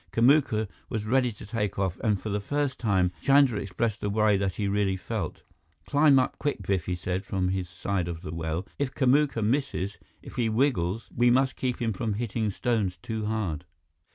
Kamuka was ready to take off, and for the first time, Chandra expressed the worry that he really felt. "Climb up quick, Biff!" he said, from his side of the well. "If Kamuka misses if he wiggles we must keep him from hitting stones too hard!"